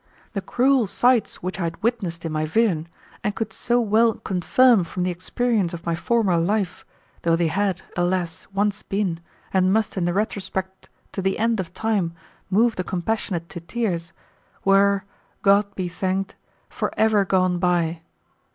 The cruel sights which I had witnessed in my vision, and could so well confirm from the experience of my former life, though they had, alas! once been, and must in the retrospect to the end of time move the compassionate to tears, were, God be thanked, forever gone by.